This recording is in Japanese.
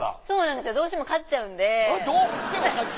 そうなんですよどうしても勝っちゃう。